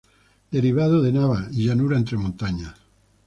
Derivado de "nava", "llanura entre montañas".